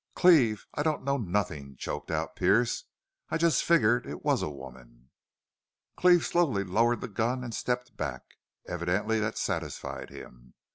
"Cleve I don't know nothin'," choked out Pearce. "I jest figgered it was a woman!" Cleve slowly lowered the gun and stepped back. Evidently that satisfied him.